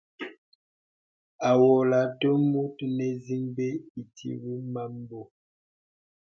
Awòlə̀ te mùt nè tit bə itwǐ mə̀mbō.